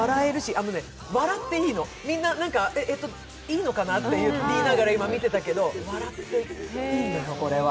あのね、笑っていいのみんないいのかなって言いながら今、見てたけど、笑っていいのよ、これは。